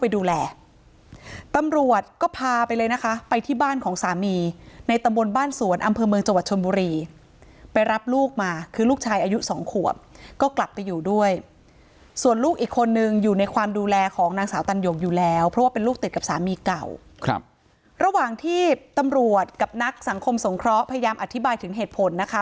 ดูแลตำรวจก็พาไปเลยนะคะไปที่บ้านของสามีในตำบลบ้านสวนอำเภอเมืองจังหวัดชนบุรีไปรับลูกมาคือลูกชายอายุสองขวบก็กลับไปอยู่ด้วยส่วนลูกอีกคนนึงอยู่ในความดูแลของนางสาวตันหยกอยู่แล้วเพราะว่าเป็นลูกติดกับสามีเก่าครับระหว่างที่ตำรวจกับนักสังคมสงเคราะห์พยายามอธิบายถึงเหตุผลนะคะ